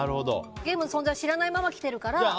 ゲームの存在を知らないまま来てるから。